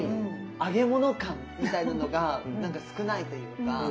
揚げ物感みたいなのが少ないというか。